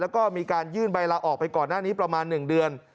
แล้วก็มีการยื่นใบลาออกไปก่อนหน้านี้ประมาณ๑เดือน